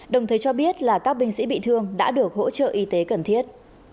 đồng thời cho biết là các binh sĩ bị thương đã được hỗ trợ y tế cần thiết